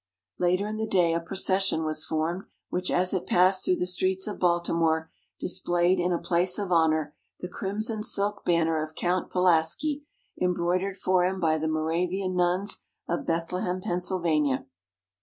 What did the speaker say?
Later in the day, a procession was formed, which as it passed through the streets of Baltimore, displayed in a place of honour the crimson silk banner of Count Pulaski, embroidered for him by the Moravian Nuns of Bethlehem, Pennsylvania.